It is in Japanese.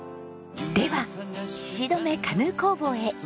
では鹿留カヌー工房へ。